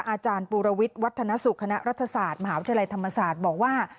อาจารย์ปูรวิทย์วัฒนสุขคณะรัฐศาสตร์มหาวิทยาลัยธรรมศาสตร์บอกว่า